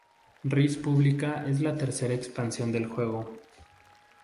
Res Publica es la tercera expansión del juego.